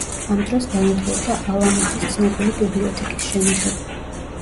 ამ დროს განადგურდა ალამუთის ცნობილი ბიბლიოთეკის შენობები.